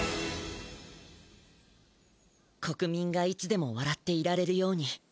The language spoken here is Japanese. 「国みんがいつでもわらっていられるように」。